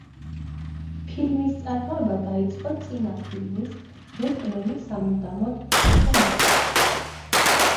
ფილმის წარმოება დაიწყო წინა ფილმის, „ბეტმენი სამუდამოდ“ შემდეგ.